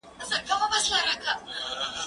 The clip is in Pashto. زه هره ورځ درسونه اورم؟!